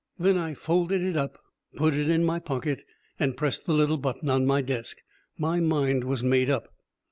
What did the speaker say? Then I folded it up, put it in my pocket, and pressed the little button on my desk. My mind was made up.